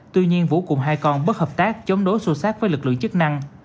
tuy nhiên vũ cùng hai con bất hợp tác chống đối sô sát với lực lượng chức năng